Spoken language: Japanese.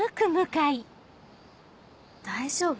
大丈夫？